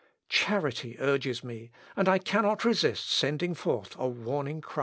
Charity urges me, and I cannot resist sending forth a warning cry.